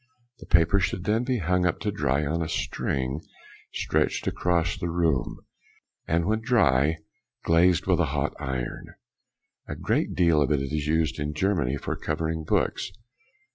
The paper should then be hung up to dry on a string stretched across the room, and when dry glazed with a hot iron. A great deal of it is used in Germany for covering books.